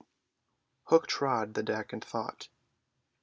Hook trod the deck in thought.